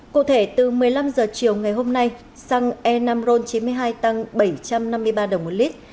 cụ thể từ một mươi năm h chiều ngày hôm nay xăng e năm ron chín mươi hai tăng bảy trăm năm mươi ba đồng một lít